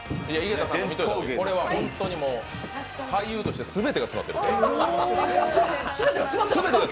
これは本当にもう俳優として全てが詰まってる。